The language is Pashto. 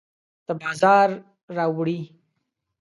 د بازار راوړي